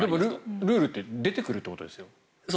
ルールって出てくるってことですよ。